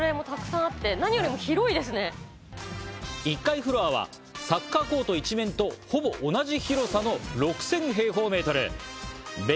１階フロアはサッカーコート１面とほぼ同じ広さの、６０００平方メートル。